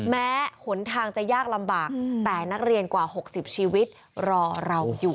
หนทางจะยากลำบากแต่นักเรียนกว่า๖๐ชีวิตรอเราอยู่